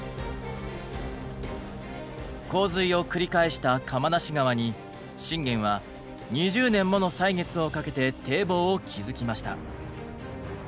洪水を繰り返した釜無川に信玄は２０年もの歳月をかけて堤防を築きました。